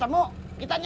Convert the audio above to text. tenang aja pak odi